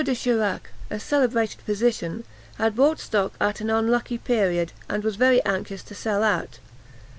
de Chirac, a celebrated physician, had bought stock at an unlucky period, and was very anxious to sell out.